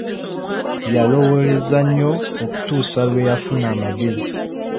Yalowoolereza nnyo okutuusa Iwe yafuna amagezi.